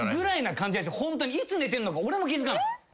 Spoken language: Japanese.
ホントにいつ寝てるのか俺も気付かない。